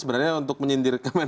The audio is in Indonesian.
sebenarnya untuk menyindir kemhan